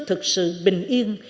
thực sự bình yên